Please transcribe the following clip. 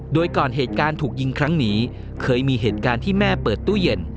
โดยก่อนเหตุการณ์ถูกยิงครั้งนี้เคยมีเหตุการณ์ที่แม่เปิดตู้เย็น